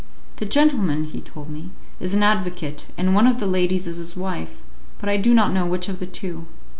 "The gentleman," he told me, "is an advocate, and one of the ladies is his wife, but I do not know which of the two."